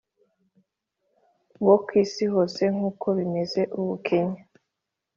bo ku isi hose nk uko bimeze ubu Kenya